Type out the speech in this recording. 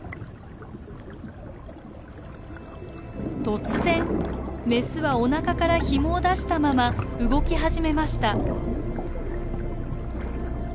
突然メスはおなかからヒモを出したまま動き始めました。